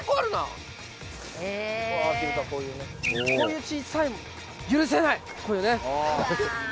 こういう小さい許せないこういうのね！